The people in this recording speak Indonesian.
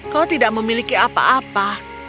kau tidak memiliki apa apa